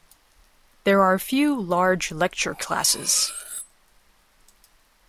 There are few large lecture classes.